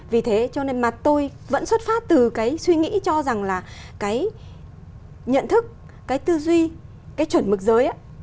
vì thế cho nên mà tôi vẫn xuất phát từ cái suy nghĩ cho rằng là cái nhận thức cái tư duy cái chuẩn mực giới